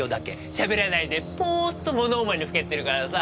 喋らないでポーッと物思いにふけってるからさ。